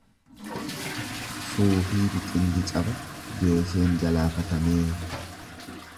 Siifuu biqilli caba, geesheen galaafatamee.